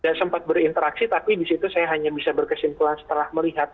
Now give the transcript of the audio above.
saya tidak sempat berinteraksi tapi di situ saya hanya bisa berkesimpulan setelah melihat